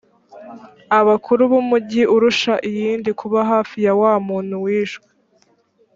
abakuru b’umugi urusha iyindi kuba hafi ya wa muntu wishwe